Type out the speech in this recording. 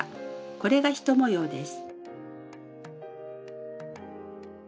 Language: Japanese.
これが１模様です。